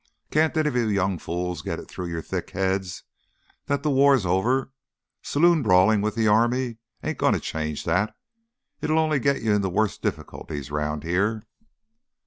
"Can't any of you young fools get it through your thick heads that the war's over? Saloon brawling with the army ain't going to change that. It'll only get you into worse difficulties around here."